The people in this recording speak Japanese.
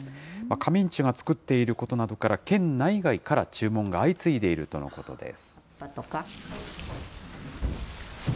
神人が作っていることなどから、県内外から注文が相次いでいるとのことです。